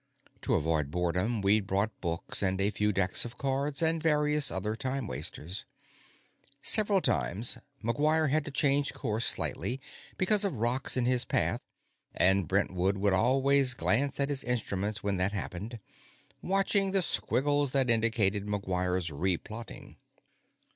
To avoid boredom, we'd brought books and a few decks of cards and various other time wasters. Several times, McGuire had to change course slightly because of rocks in his path, and Brentwood would always glance at his instruments when that happened, watching the squiggles that indicated McGuire's replotting.